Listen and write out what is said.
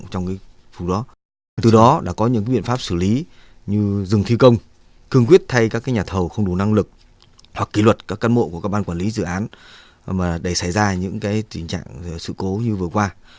các biện pháp xử lý như dừng thi công cương quyết thay các nhà thầu không đủ năng lực hoặc kỷ luật các căn mộ của các ban quản lý dự án để xảy ra những tình trạng sự cố như vừa qua